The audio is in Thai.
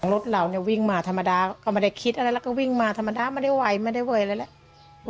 รถเราเนี่ยวิ่งมาธรรมดาก็ไม่ได้คิดอะไรแล้วก็วิ่งมาธรรมดาไม่ได้ไวไม่ได้ไวอะไรแหละ